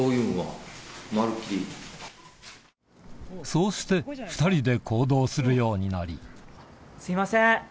そうして２人で行動するようになりすいません！